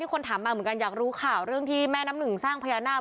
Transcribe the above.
คนถามมาเหมือนกันอยากรู้ข่าวเรื่องที่แม่น้ำหนึ่งสร้างพญานาค